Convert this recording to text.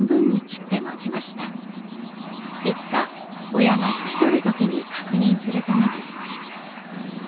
いつか親が引き取る時に確認するためです。